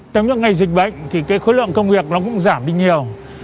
trong những ngày dịch bệnh thì khối lượng công việc cũng giảm đi nhiều